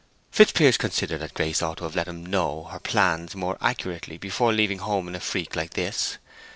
Fitzpiers considered that Grace ought to have let him know her plans more accurately before leaving home in a freak like this.